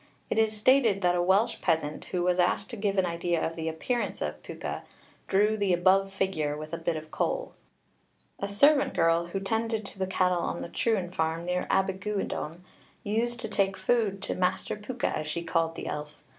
It is stated that a Welsh peasant who was asked to give an idea of the appearance of Pwca, drew the above figure with a bit of coal. A servant girl who attended to the cattle on the Trwyn farm, near Abergwyddon, used to take food to 'Master Pwca,' as she called the elf.